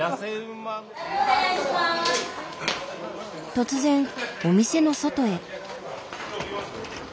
突然お店の外へ。